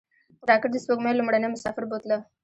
راکټ د سپوږمۍ لومړنی مسافر بوتله